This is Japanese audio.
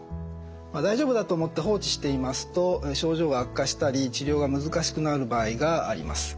大丈夫だと思って放置していますと症状が悪化したり治療が難しくなる場合があります。